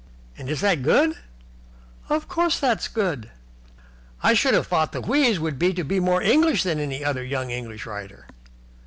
"And is that good?" "Of course it's good." "I should have thought the wheeze would be to be more English than any other young English writer."